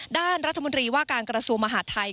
ด้านรัฐมนตรีว่าการกระทรวงมหาดไทย